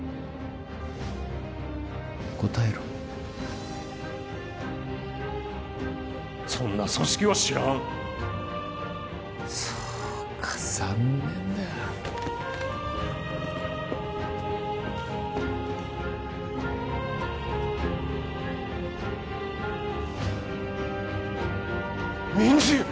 答えろそんな組織は知らんそうか残念だミンジ！